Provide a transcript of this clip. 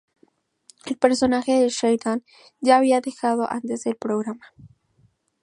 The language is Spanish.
El personaje de Sheridan ya había dejado antes el programa.